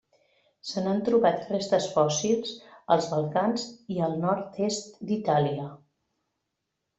Se n'han trobat restes fòssils als Balcans i el nord-est d'Itàlia.